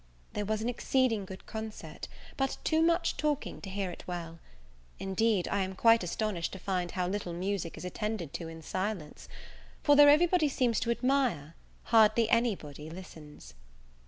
There was an exceeding good concert, but too much talking to hear it well. Indeed I am quite astonished to find how little music is attended to in silence; for, though every body seems to admire, hardly any body listens.